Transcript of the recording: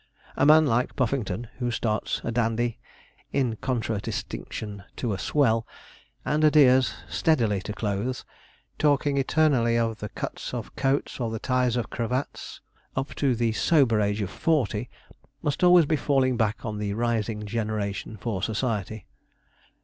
A man like Puffington, who starts a dandy (in contradistinction to a swell), and adheres steadily to clothes talking eternally of the cuts of coats or the ties of cravats up to the sober age of forty, must be always falling back on the rising generation for society.